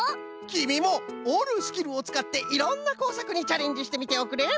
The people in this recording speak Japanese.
きみもおるスキルをつかっていろんなこうさくにチャレンジしてみておくれ！